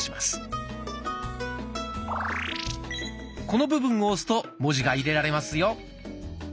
この部分を押すと文字が入れられますよ。